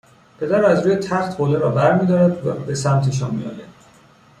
پدر از روی تخت حوله را برمیدارد و به سمتشان میآید